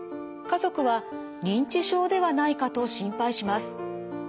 家族は認知症ではないかと心配します。